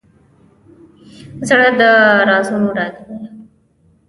زړه د رازونو ډک دی.